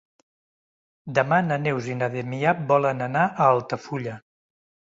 Demà na Neus i na Damià volen anar a Altafulla.